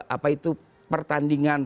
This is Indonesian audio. apa itu pertandingan